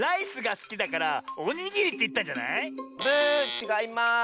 ちがいます！